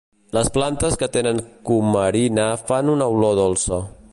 Les plantes que tenen cumarina fan una olor dolça.